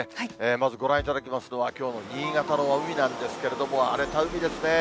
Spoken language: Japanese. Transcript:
まずご覧いただきますのは、きょうの新潟の海なんですけれども、荒れた海ですね。